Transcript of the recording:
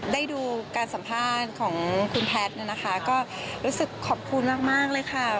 ได้ดูการสัมภาษณ์ของคุณแพทย์นะคะก็รู้สึกขอบคุณมากเลยค่ะ